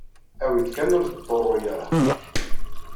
Awi-d kan ur d-tḍerru ara!